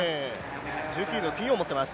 １９秒９４を持っています。